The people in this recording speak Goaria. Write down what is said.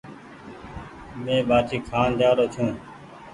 مينٚ ٻآٽي کآن جآرو ڇوٚنٚ